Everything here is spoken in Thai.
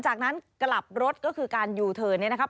จากนั้นกลับรถก็คือการอยู่เถินนี้นะครับ